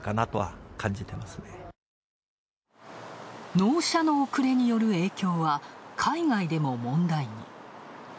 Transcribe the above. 納車の遅れによる影響は海外でも問題に。